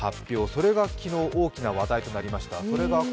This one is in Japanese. それが昨日、大きな話題となりました。